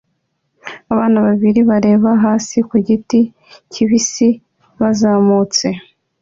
Abana babiri bareba hasi ku giti kibisi bazamutse